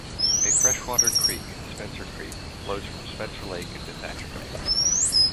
A freshwater creek, Spencer creek, flows from Spencer Lake into Thatcher Bay.